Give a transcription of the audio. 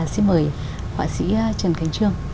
xin mời họa sĩ trần khánh trương